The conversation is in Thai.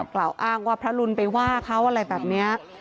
กล่าวอ้างว่าพระรุนไปว่าเขาอะไรแบบนี้